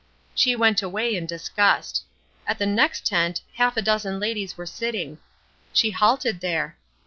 She went away in disgust. At the next tent half a dozen ladies were sitting. She halted there.